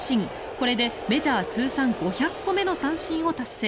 これでメジャー通算５００個目の三振を達成。